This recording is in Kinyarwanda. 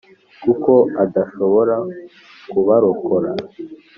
kuko adashobora kubarokora.